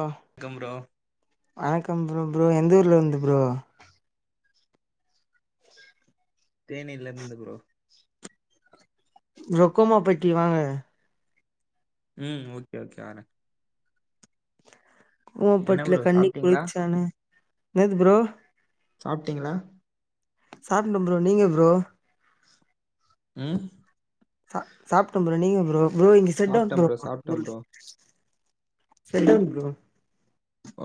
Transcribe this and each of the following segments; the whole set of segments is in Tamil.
ஓ கம் ப்ரோ வணக்கம் ப்ரோ ப்ரோ எந்த ஊர்ல இருந்து ப்ரோ தேனில இருந்து ப்ரோ ரொக்கோமா பட்டி வாங்க உம் ஓகே ஓகே வறே ரொக்கோமா என்ன பட்டில ப்ரோ கண்ணி சாப்ட்டீங்களா குளிச்சான என்னது ப்ரோ சாப்ட்டீங்களா சாப்ணு ப்ரோ நீங்க ப்ரோ உம் ச சாப்டேன் ப்ரோ நீங்க ப்ரோ ப்ரோ இங்க செட்டவுன் சாப்ட்டேன் ப்ரோ சாப்ட்டேன் ப்ரோ [inaudible] சட்டவுன் ப்ரோ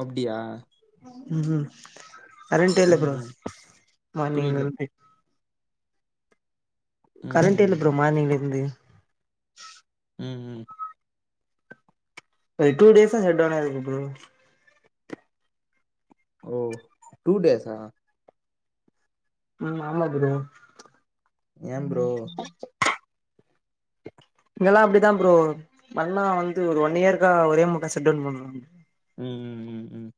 அப்டியா உம் உம் கரண்ட்ட இல்ல ம் ப்ரோ ம் மார்னிஙல புரியல இருந்து கரண்ட் இல்ல ம் பரோ மானிங்ல இருந்து ம் ம் ஒரு டூ டேஸா தான் ஷட்டவுனா இருக்கு ப்ரோ ஓ டூ டேஸ்ஸா ம் ஆமா ப்ரோ ஏ ப்ரோ இங்கெல்லாம் அப்பிடித்தான் ப்ரோ பண்ணா வந்து ஒரு ஒன் இயர்கக்கா ஒரே முட்டா செட்வுன் பண்ணு ம் ம் ம் ம்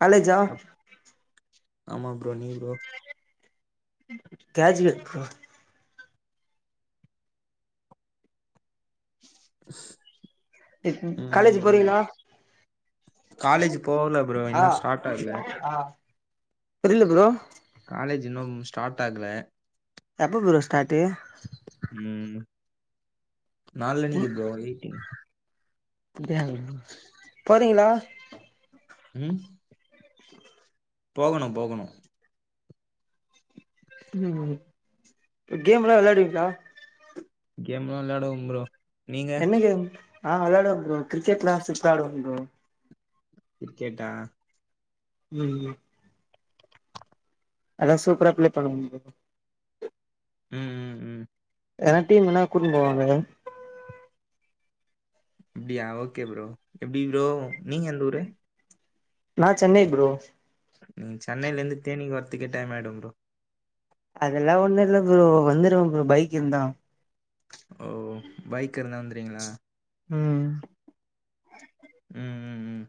காலேஜா அப் ஆமா ப்ரோ நீ ப்ரோ காலேஜ் இல்ல ஓ ம் காலேஜ் ம் ம் போறீங்ளா காலேஜ் போகல ப்ரோ இன்னும் ஸ்டார்ட் ஆகல ஆ புரில ப்ரோ காலேஜ் இன்னு ஸ்டாட் ஆகல எப்போ ப்ரோ ஸ்டாட்டு ம் நாளன்னக்கி ப்ரோ எய்ட்டீன் போறீங்ளா ம் போகணு போகணு ம் ம் கேம் எல்லா வெளையாடுவீங்ளா கேம்லா வெளாடுவம் ப்ரோ நீங்க என்ன கேம் ஆ விளாடுவ ப்ரோ கிரிக்கெட்ளா சூப்ராடுவ ப்ரோ கிரிக்கெட்டா ம் ம் அத்லா சூப்பரா ப்ளே பண்ணுவ ப்ரோ ம் ம் ம் ம், ஏனா டீம்னா [unintelligible] அப்படியா ஓகே புரோ எப்படி புரோ நீங்க எந்த ஊரு நான் சென்னை புரோ சென்னைையில இருந்து தேனிக்கு வரத்துக்கே டைம் ஆயிடும் புரோ அதெல்லாம் ஒண்ணு இல்ல புரோ வந்துருவ புரோ பைக் இருந்தா ஓ பைக் இருந்தா வந்துருவீங்களா ம் ம் ம் ம்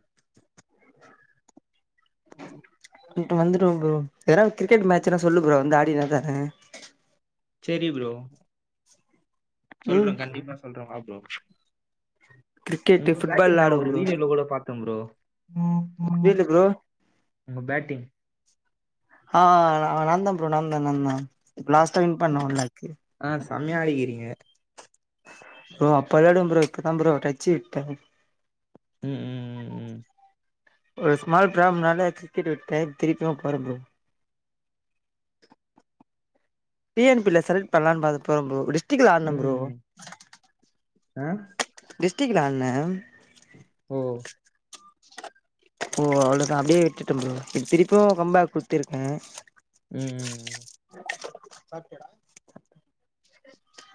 இப்போ வந்துடுவ ப்ரோ எதாவது கிரிக்கெட் மேட்ச்னா சொல்லு ப்ரோ வந்து ஆடி நா தரே சரி ப்ரோ ம் சொல்றோம் கண்டிப்பா சொல்றோம் வா புரோ க்ரிக்கெட்டு ஃபுட்பால்லா ஆடுவ ப்ரோ க்கம் ப்ரோ ஃபீல்டு ப்ரோ உங்க பேட்டிங் அ அ அ நாந்தா ப் ரோ நாந்தா நாந்தா இப் லாஸ்ட்டா வின் பண்ணோல்லா சம்மயா ஆடீகிறிங்க ப்ரோ அப்ப விளாடுவ ப்ரோ இப்பதா ப்ரோ டச்சு விட்டே ம் ம் ம் ஒரு ஸ்மால் ப்ராப்ம்னால க்ரிக்கெட் விட்ட திருப்பியு போர ப்ரோ டிஎன்பில செலக்ட் பண்ணலான் பாத்தப்ப ப்ரோ டிஸ் டிக்ல ஆடுன ப்ரோ அ டிஸ்ட்ரிக்ல ஆட்ன ஓ ஓ அவ்ளோதா அப்டே விட்டுட்ட ப்ரோ திருப்யு கம்பேக் குத்துருக்கே ம் ம், ம்.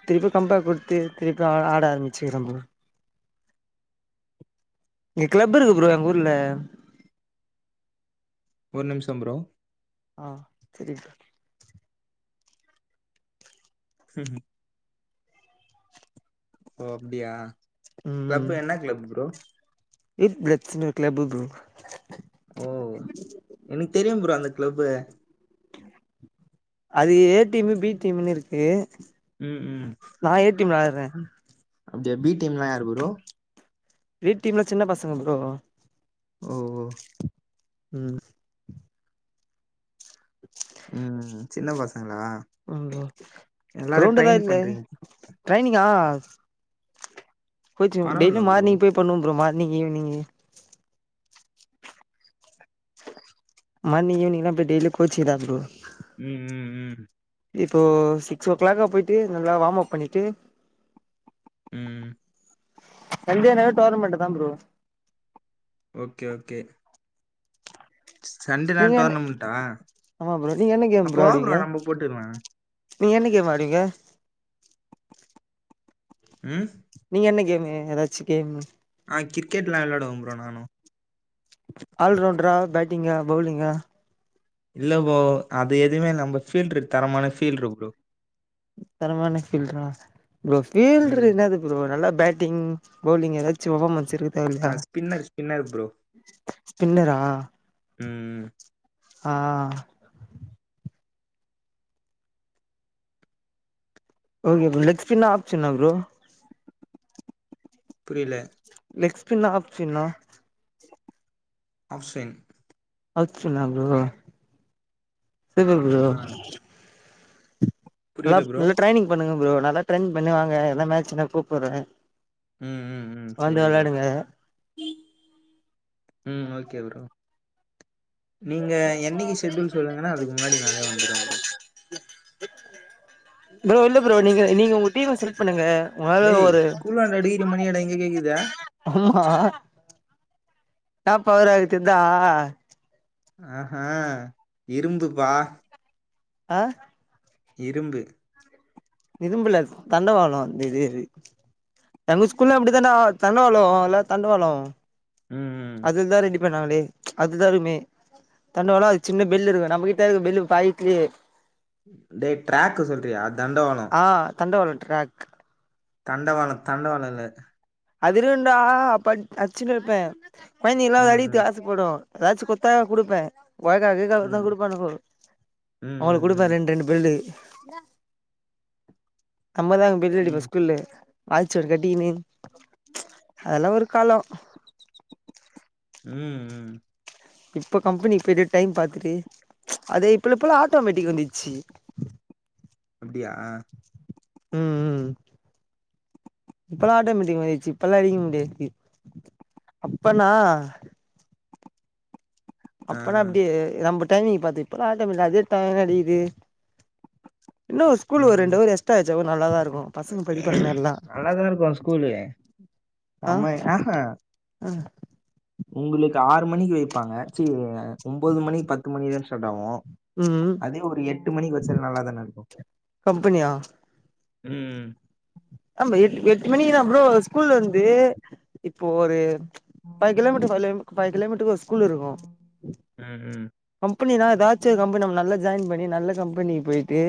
திருப்யு கம்பேக் கொடுத்து திருப்பி ஆ ஆட ஆரம்பிச்சுக்ற ப்ரோ இங் க்ளப் இருக்கு ப்ரோ எங் ஊர்ல ஒரு நிம்ஷோ ப்ரோ அ செரி [inaudible] உ ம் ஓ அப்டியா க்ளப்பு என்ன கிளப் ப்ரோ இட் ப்ளட்ஸுனு க்ளப்பு ப்ரோ க்ளப்பு அது ஏ டீமு பி டீம்ன்னு இருக்கு ம் நா ஏ டீம்ல ஆட்றே [inaudible] அப்டியா பி டீம் ல்லா யாரு ப்ரோ பீ டீம்ல சின்ன பசங்க ப்ரோ ஒ ஒ ம் ம். சின்ன பசங்களா? அப்றோ ப்ரோ எல்லாரையும் க்ரௌண்டு தா ட்ரெயின் இல்ல பண்றீங்க. ட்ரைனிங்கா ஆ [inaudible] கோச்சிங் டெய்ல்யு பரவால்ல ப்ரோ. மார்னிங் போய் பண்ணுவெ ப்ரோ மார் இன்னிக் ஈவினிங்கி மார்னிங் ஈவ்னிங்ளா இப்ப டெய்லி கோச்சு தா ப்ரோ ம் ம் ம் இப்போ சிக்ஸ் ஓ க்ளாக்கா போய்ட்டு நல்லா வாம் அப் பண்ணிட்டு ம். சண்டேனா டோர்னமெண்டு த ப்ரோ ஓகே ஓகே ச சண்டே நால் நீங்க என்ன டோர்னமெண்ட்டா ஆமா ப்ரோ நீங்க என்ன கேம் அப்போ வா ப்ரோ ஆடுவீங்க நம்போ போட்டுக்லா நீங்க என்ன கேம் ஆடுவிங்க ம். நீங்க என்ன கேம் ஏ ஏதாச்சு கேம் ஆ கிரிக்கெட்லா விளையாடுவோ ப்ரோ நானும் ஆல்ரவுண்ட்ரா பேட்டிங்கா பௌலிங்கா இல்ல ப்ரோ அது எதுவுமே நம்ம ஃபீல்டு இருக்கு தரமான ஃபீல்டு இருக் ப்ரோ தரமான ஃபீல்ட்ரா ப்ரோ ஃபீல்ட்ரு ம். என்னது ப்ரோ நல்லா பேட்டிங் பௌலிங் எதாச்சு ஒக [unintelligible] ட்ஸ் இருக்க ஆ தேவல்லையா ஸ்பின்னர், ஸ்பின்னர் ப்ரோ. ஸ்பின்னரா ஆ ம் ம் ஆஆ ஓகே ப்ரோ லெக் ஸ்பின்னா ஆஃப் ஸ்பின்னா ப்ரோ புரில லெக் ஸ்பின்னா ஆஃப் ஸ்பின்னா ஆஃப் ஸ்பின் ஆஃப் ஸ்பின்னா ப்ரோ சூப்பர் ப்ரோ ஆ. நல்லா புரியல ப்ரோ. நல்ல ட்ரைனிங் பண்ணுங்க ப்ரோ நல்லா ட்ரைனிங் பண்ணு வாங்க எதனா மேச்சினா கூப்புட்றே ம் ம் ம் வந்து சேரி ப்ரோ வெளாடுங்க ம் ஓகே ப்ரோ நீங்க என்னிக்கி ஷெட்யூல் சொல்லுங்க நா அதுக்கு முன்னாடி நாளே வந்துருவே ப்ரோ ப்ரோ இல்ல ப்ரோ நீங்க நீங்க உங்க டீம் செலக்ட் பண்ணுங்க உங்களால டேய் ஒரு ஸ்கூல்லாண்ட அடிக்கிற மணியா டா இங்க கேக்குது ஆ என்னா பவரா இருக்கு தெரிதா ஆஹா இரும்புப்பா ஆ இரும்பு இரும்புல்ல தண்டவாளோ அ இது இது எங்க ஸ்கூல்லாயு அப்டி தான்டா தண்டவாளோ இல்ல தண்டவாளோ ம் பண்ணுவாங்களே அதுதா அதுமே தண்டவாளோ அது சின்ன பில்லு இருக்கு நம்மகிட்ட இருக்கு பில்லு பாயிட்லேயே டேய் டிராக்கு சொல்றியா தண்டவாளம் ஆ தண்டவாளோ ட்ராக் தண்டவாளம் தண்டவாளம் இல்ல அதிருண்டா அப்ப அடு அடிசிண்ட்டு இருப்பே கொழந்திங்கலா அத ம் ம் அடிக்றத்துக்கு ஆசைப்படு எதாச்சு கொட்தா கொடுப்பே கொயக்கா கிய்க்கா குடுத்தா ம் குடுப்பானுங்கோ அவங்களுக்கு ம் ம் குடுப்பே ரெண்டு ரெண்டு [unintelligible] [unintelligible] நம்மதா அங்க பெல் ம் அடிப்போ ம் ஸ்கூல்லே வாட்ச்சொருக் கட்டிக்கின்னு அதெல்லா ஒரு காலலோ ம் ம் இப்ப கம்பெனிக்கு போய்ட்டு டைம் பாத்துட்டு அது இப்பல இப்பலா ஆட்டோமேட்டிக் வந்துச்சி அப்டியா ம் ம் இப்பல்லா ஆட்டோமேட்டிக் மாரிச்சு இப்பல்லா அடிக்க முடியாது அப்பனா ஆ அப்பனா அப்டி [unintelligible] டைமிங் பாத்து இப்பெல்லா ஆட்டோமேட்டா அதுவே தானா அடிக்குது என்ன ஒரு ஸ்கூலு ஒரு ரெண்டவரு எக்ஸ்ட்ரா வெச் ச்சாவு நல்லாதாருக் நல்லாதா இருக்கு ஸ்கூலு ஆ செம்ம ஆஹ அ உங்களுக்கு ஆறு மணிக்கு வைப்பாங்க ச்சி ஒம்போது மணி பத்து மணி தான ஸ்டார்ட்டாவு ம் அதே ஒரு எட்டு மணிக்கு வச்சாலு நல்லாதா நடக்கு கம்பெனியா ம் ம் ஆமா எட் எட்டு மணிக்கப்றோ ஸ்கூல் வந்து இப்போ ஒரு ஃபைவ் கிலோமீட்டரு ஃபைலு ஃபைவ் கிலோமீட் [unintelligible] ஸ்கூலிருக்கு ம் ம் கம்பெனி தா எதாச்சு ஒரு கம்பெனி நம்ம நல்லது ஜாயின் பண்ணி நல்ல கம் பெனிக்கு போயிட்டு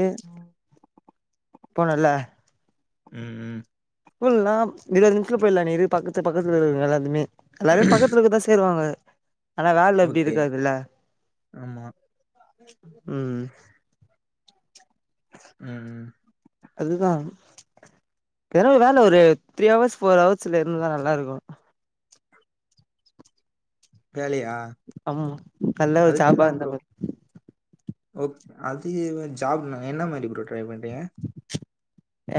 போனெல்ல ம் ம் ஸ்கூல்லெல்லா இருபது நிமிஷத்துல போயிட்லா நீ இருக்குற பக்கத்து பக்கத்துலருக்கு எல்லாத்துமே எல்லாரையு பக்கத்துல இருக்குறதுதா சேருவாங்க ஆனா வேலல இப்டி ஓகே இருக்காதுல்ல ஆமா ம் ம் ம் ம் அதுதா ஏதாவது வேல ஒரு த்ரீ ஹவர்ஸ் ஃபோர் ஹவர்ஸ்ல இருந்தா நல்லாருக்கு வேலையா ஆமா மா நல்ல ஒரு ஜாப் ஆ இருந்தா போது ஓகே அது ஜாப் என்ன மாதிரி ப்ரோ ட்ரை பண்றீங்க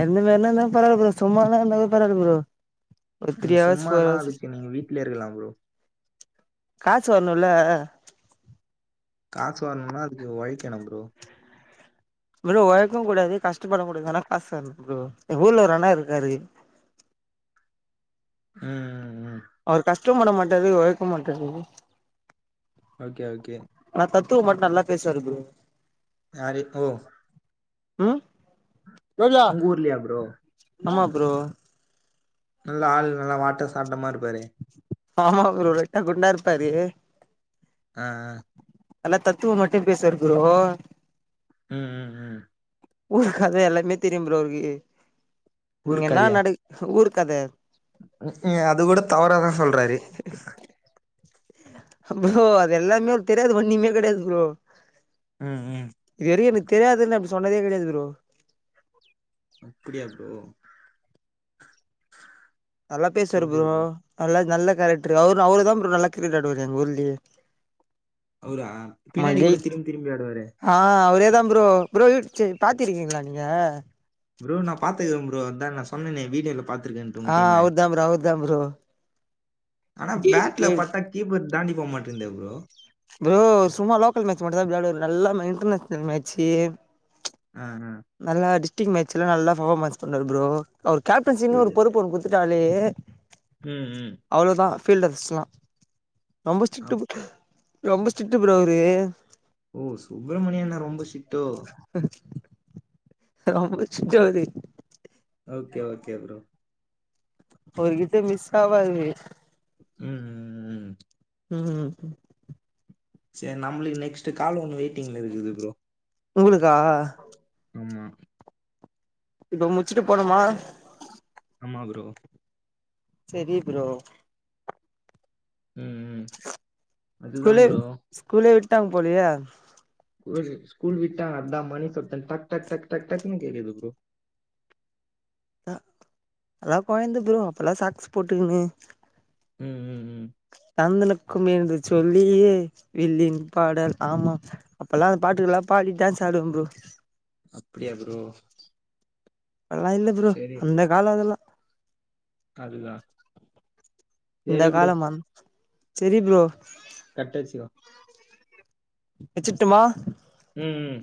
எந்த மாதிரினா இருந்தாலு பரவால்ல ப்ரோ சும்மா தா இருந்தாலு பரவால்ல ப்ரோ ஒரு த்ரீ ஹவர்ஸ் ஃபோர் சும்மானா ஹவர்ஸ் அதுக்கு நீங்க வீட்ல இருக்கலா ப்ரோ காசு வரணுல காசு வரணும்னா அதுக்கு உழைக்கணு ப்ரோ ப்ரோ உழைக்கவு கூடாது கஷ்டப்படவு கூடாது ஆனா காசு வேணு ப்ரோ எ ஊர்ல ஒரு அண்ண இருக்காரு உம் அவரு கஷ் ஒர்க்கு பண்ண மாட்டாரு உழைக்கவு மாட்டாரு ஓகே ஓகே ஆனா தத்துவ மட்டு நல்லா பேசுவாரு ப்ரோ ஆரி ஓ ம் உங்க ஊர்லையா ப்ரோ ஆமா ப்ரோ நல்ல ஆள் நல்லா வாட் ட்ட சாட்டமா இருப்பாரு ஆமா ப்ரோ லைட்டா குண்டா இருப்பாரு ஆ எல்லா தத்துவ மட்டு பேசுவாரு ப்ரோ உம் உம் உம் ஊர் கத எல்லாமே தெரியு ப்ரோ அவருக்கு ஊர் இங்க என்ன கதையா? நடக் ஊர் கத அது கூட தவறதா சொல்றாரு ப்ரோ அதுெல்லாமே தெரியது ஒண்ணுமே கடையது ப்ரோ ம், ம். இது வரைக்கு எனக்கு தெரியாதுன்னு அப்டி சொன்னதே கிடையாது ப்ரோ அப்டியா ப்ரோ நல்லா பேசுவரு ப்ரோ நல்ல நல்ல நல்ல கேரக்டர் அவரு அவரு தா ப்ரோ நல்லா கிரிக்கெட் ஆடுவரு எங்க ஊருலயே அவர பின்னாடி கூட திரும்பி திரும்பி ஆடுவாரே அவருதா ப்ரோ ப்ரோ பாத்திருக்கீங்களா நீங்க ப்ரோ நா பாத்துக்கே பரோ அதா நா சொன்னே வீடியோலா பாத் ஆ அவருதா ப்ரோ அவரு தா ப்ரோ ஆனா கெயில் பட்லா கெயில் பட்டா கீப்பர் தாண்டி போக மாட்டிந்தே ப்ரோ ப்ரோ சும்மா லோக்கல் மேட்ச் மட்டும்தா விளையாடுவாரு நல்லா இன்டர்நேஷ்னல் மேட்சு ஆ ஆ நல்லா அடிச்சு டீம் மேட்சலா எல்லா நல்லா பெர்ஃபார்மன்ச் பண்ணுவாரு ப்ரோ அவர் கேப்டன்சின்னு ஒரு புரியுது பொறுப்பு ஒன்னு கூடுத்துட் ஜாலி ம் ம் பில்டர்ஸ் எல்லாம் ரொம்ப ஸ்டிரிக்ட் அப் பு ரொம்ப ஸ்ட்ரிட்டு ப்ரோ அவ்ரு ஓ சுப்ரமணியண்ண ரொம்ப ஸ்ட்ரிட்டோ ரொம்ப ஸ்ட்ரீட்டவ்ரு ஓகே ஓகே ப்ரோ டவரு ம் ம் ம் ம் ம் சேரி நம்ளுக்கு நெக்ஸ்ட்டு கால் ஒண்ணு வெயிட்டிங்ல இருக்குது ப்ரோ உங்களுக்கா ஆமா இப்ப முச்சிட்டு போனுமா ஆமா ப்ரோ செரி ப்ரோ ம் ம் அதுதான் ஸ்கூலே ப்ரோ ஸ்கூலே ட்டாங் போலியே [unintelligible] ஸ்கூல் விட்டாங்க அதா மணி சத்தோ டக் டக் டக் டக் டக்னு கேக்குது ப்ரோ அதா கொழந்த ப்ரோ அப்பல்லா சாக்ஸ் போட்டுக்குனு ம் ம் ம் தந்தனுக்கும் என்று சொல்லியே வில்லின் பாடல் ஆமா அப்பெல்லா அந்த பாட்டுக்லா பாடி டான்ஸ் ஆடுவம் ப்ரோ அப்படியா ப்ரோ அதலா இல்ல ப்ரோ அந்த கால அதெல்லா அதுதா செரி ப்ரோ செரி ப்ரோ கட்டடுச்சுக்கோ வெச்சுர்ட்டுமா ம் ம்